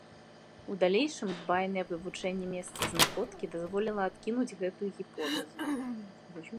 У далейшым дбайнае вывучэнне месца знаходкі дазволіла адкінуць гэтую гіпотэзу.